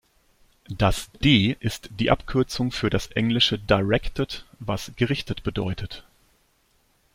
Das "d" ist die Abkürzung für das englische directed, was gerichtet bedeutet.